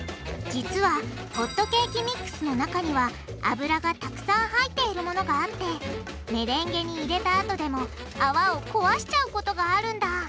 実はホットケーキミックスの中には油がたくさん入っているものがあってメレンゲに入れたあとでも泡を壊しちゃうことがあるんだ